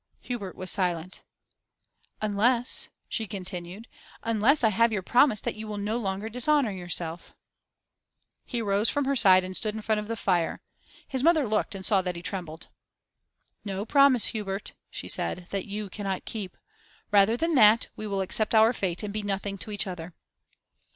Hubert was silent. 'Unless,' she continued 'unless I have your promise that you will no longer dishonour yourself.' He rose from her side and stood in front of the fire; his mother looked and saw that he trembled. 'No promise, Hubert,' she said, 'that you cannot keep. Rather than that, we will accept our fate, and be nothing to each other.